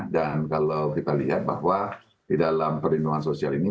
dan kalau kita lihat bahwa di dalam perlindungan sosial ini